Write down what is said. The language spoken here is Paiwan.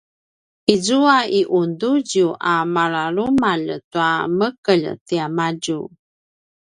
izua i unduziyu a malalumalj tua mekelj tiamadju